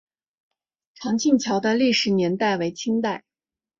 长庆桥的历史年代为清代。